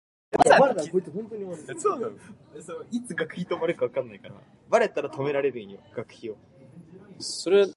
Chalmers played for Newburgh West End before joining Kirkcaldy club Waverley.